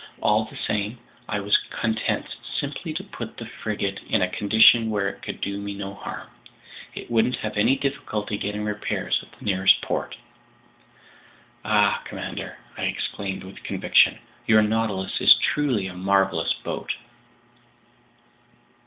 All the same, I was content simply to put the frigate in a condition where it could do me no harm; it won't have any difficulty getting repairs at the nearest port." "Ah, commander," I exclaimed with conviction, "your Nautilus is truly a marvelous boat!"